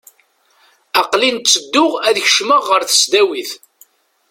Aqel-in ttedduɣ ad kecmeɣ ɣer tesdawit.